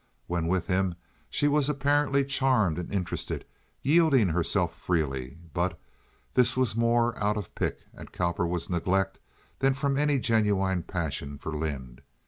When with him she was apparently charmed and interested, yielding herself freely, but this was more out of pique at Cowperwood's neglect than from any genuine passion for Lynde.